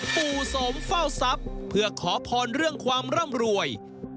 ปู่สมเฝ้าทรัพย์เพื่อขอพรเรื่องความร่ำรวย